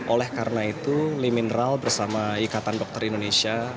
oleh karena itu li mineral bersama ikatan dokter indonesia